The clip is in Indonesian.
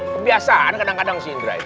kebiasaan kadang kadang si indra itu